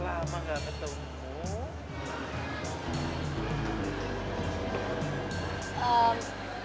lama gak ketemu